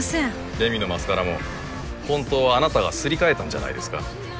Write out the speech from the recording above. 麗美のマスカラも本当はあなたがすり替えたんじゃないですか？